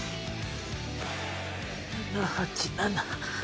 ７８７。